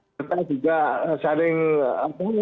serta juga saling apa